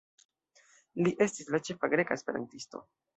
Li estis la ĉefa greka esperantisto.